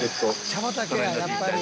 茶畑ややっぱり。